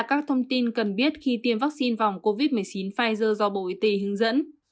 các thông tin cần biết khi tiêm vaccine phòng covid một mươi chín pfizer do bộ y tế hướng dẫn